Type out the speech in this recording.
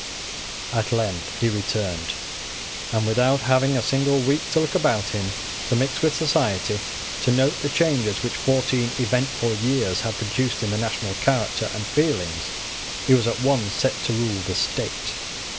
At length he returned; and, without having a single week to look about him, to mix with society, to note the changes which fourteen eventful years had produced in the national character and feelings, he was at once set to rule the state.